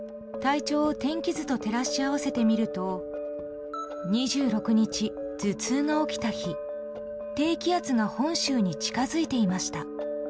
体調を天気図と照らし合わせてみると２６日、頭痛が起きた日低気圧が本州に近づいていました。